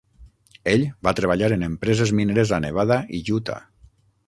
Ell va treballar en empreses mineres a Nevada i Utah.